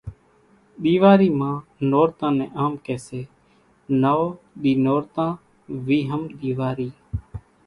ۮيواري مان نورتان نين آم ڪي سي نوَ ۮي نورتان ويھم ۮيواري